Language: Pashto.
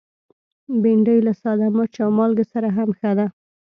بېنډۍ له ساده مرچ او مالګه سره هم ښه ده